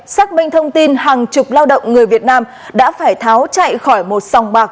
xác minh thông tin hàng chục lao động người việt nam đã phải tháo chạy khỏi một sòng bạc